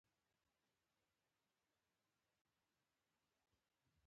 تر واښو قده نه یم اوچت شوی.